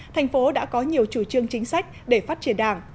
thành phố đã có nhiều chủ trương chính sách để phát triển đảng